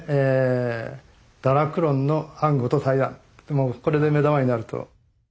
もうこれで目玉になると。